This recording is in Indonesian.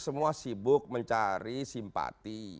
siapa sibuk mencari simpati